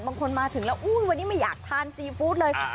มาถึงแล้วอุ้ยวันนี้ไม่อยากทานซีฟู้ดเลย